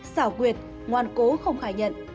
xảo quyệt ngoan cố không khai nhận